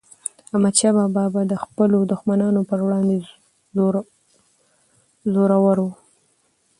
احمدشاه بابا به د خپلو دښمنانو پر وړاندي زړور و.